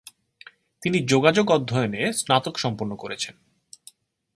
তিনি যোগাযোগ অধ্যয়নে স্নাতক সম্পন্ন করেছেন।